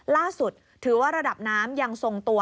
ล่าสุดถือว่าระดับน้ำยังทรงตัว